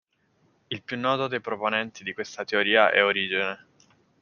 Il più noto dei proponenti di questa teoria è Origene.